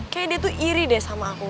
kayaknya dia tuh iri deh sama aku